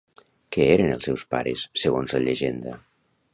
Què eren els seus pares, segons la llegenda?